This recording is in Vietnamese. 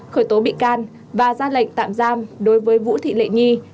khởi tố bị can và ra lệnh tạm giam đối với vũ thị lệ nhi